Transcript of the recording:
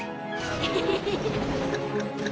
ヘヘヘヘ。